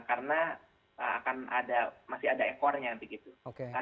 karena akan ada masih ada ekornya begitu